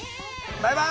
バイバイ。